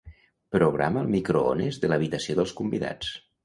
Programa el microones de l'habitació dels convidats.